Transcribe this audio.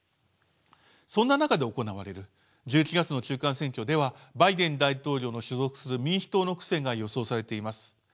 そんな中で行われる１１月の中間選挙ではバイデン大統領の所属する民主党の苦戦が予想されています。